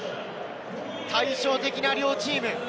対照的な両チーム。